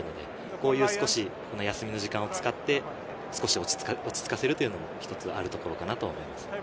こういう少しの休みの時間を使って少し落ち着かせるというのも一つあるところかなと思います。